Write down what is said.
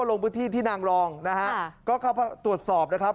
ลงพื้นที่ที่นางรองนะฮะก็เข้าตรวจสอบนะครับ